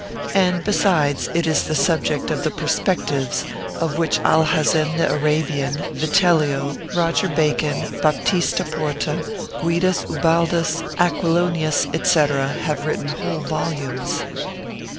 And, besides, it is the subject of the perspectives, of which Alhazen the Arabian, Vitellio, Roger Bacon, Baptista Porta, Guidus Ubaldus, Aquilonius, &c., have written whole volumes.